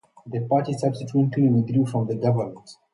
The party subsequently withdrew from the government.